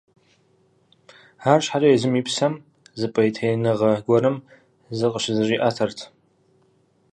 Арщхьэкӏэ езым и псэм зы пӏейтеиныгъэ гуэрым зыкъыщызэщӏиӏэтэрт.